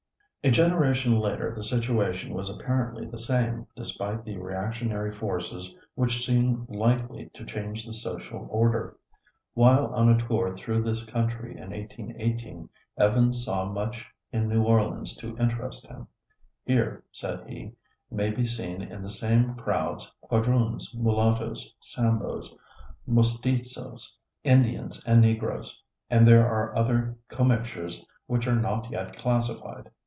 A generation later the situation was apparently the same despite the reactionary forces which seemed likely to change the social order. While on a tour through this country in 1818 Evans saw much in New Orleans to interest him. "Here," said he, "may be seen in the same crowds, Quadroons, mulattoes, Samboes, Mustizos, Indians, and Negroes; and there are other commixtures which are not yet classified.